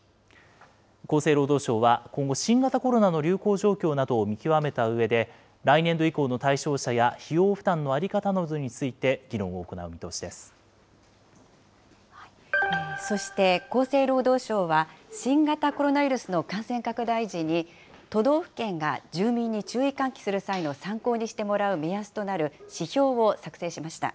厚生労働省は今後、新型コロナの流行状況などを見極めたうえで、来年度以降の対象者や費用負担の在り方などについて議論を行う見そして、厚生労働省は、新型コロナウイルスの感染拡大時に、都道府県が住民に注意喚起する際の参考にしてもらう目安となる指標を作成しました。